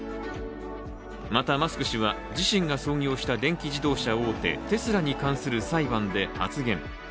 また、マスク氏は自身が創業した電気自動車大手・テスラに関する裁判で発言。